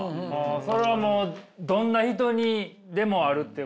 それはもうどんな人にでもあるっていうことですか。